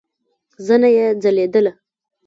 زنه يې ځليدله.